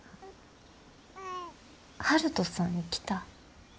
悠人さん来た？